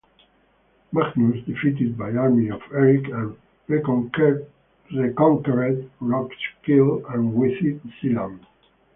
Magnus defeated the army of Eric and reconquered Roskilde and with it Zealand.